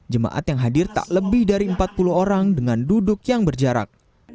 jemaat yang hadir tak lebih dari empat puluh orang dengan duduk yang berjarak